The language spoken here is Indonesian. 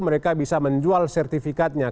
mereka bisa menjual sertifikatnya